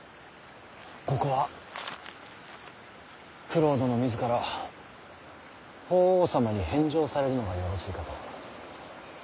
ここは九郎殿自ら法皇様に返上されるのがよろしいかと。